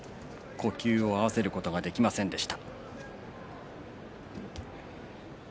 呼吸を合わせることができませんでした。